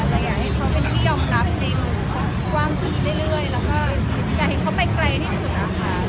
อยากให้เขาเป็นที่ยอมรับในมุมกว้างขึ้นเรื่อยแล้วก็อยากให้เขาไปไกลที่สุดอะค่ะ